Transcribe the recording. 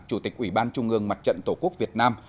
chủ tịch ủy ban trung ương mặt trận tổ quốc việt nam